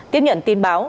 tiếp nhận tin báo